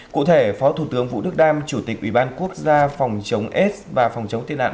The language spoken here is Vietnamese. cụ thể phó thủ tướng vũ đức đam chủ tịch ủy ban quốc gia phòng chống s và phòng chống thiên tai